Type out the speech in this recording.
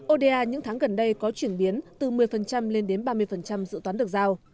oda những tháng gần đây có chuyển biến từ một mươi lên đến ba mươi dự toán được giao